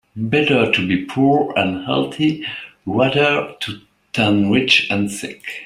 Better to be poor and healthy rather than rich and sick.